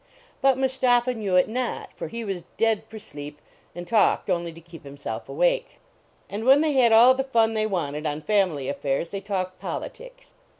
But Mu.stapha knew it not, for he was dead for sleep, and talked only to keep himself awake. 1 89 THE VACATION OF MUSTAPIIA And when they had all the fun they wanted on family affairs, they talked politics.